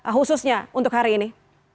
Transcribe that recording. khususnya untuk hari ini